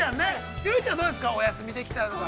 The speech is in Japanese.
結実ちゃんはどうですかお休みできたらとか。